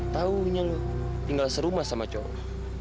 taunya lo tinggal serumah sama cowok